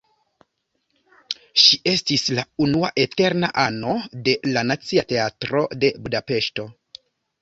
Ŝi estis la unua "eterna ano" de la Nacia Teatro de Budapeŝto.